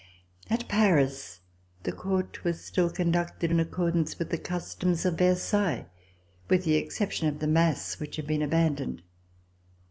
At Paris the Court was still conducted in ac cordance with the customs of Versailles, with the exception of the mass, which had been abandoned.